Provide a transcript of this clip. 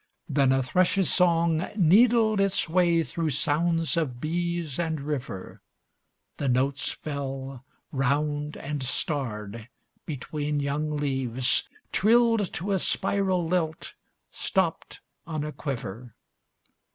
Then a thrush's song XVII Needled its way through sound of bees and river. The notes fell, round and starred, between young leaves, Trilled to a spiral lilt, stopped on a quiver.